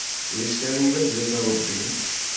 Ulac tarewla zdat Ṛebbi.